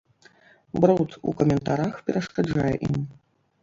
Бруд у каментарах перашкаджае ім.